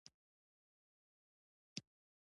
د ساتلو غم ورسره نه وي.